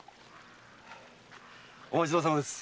お待ちどうさまです。